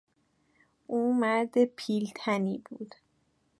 او مرد پیلتنی بود.